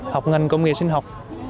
học ngành công nghệ sinh học